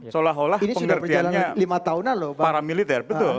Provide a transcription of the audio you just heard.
seolah olah pengertiannya paramiliter